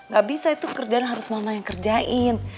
gak bisa itu kerjaan harus mama yang kerjain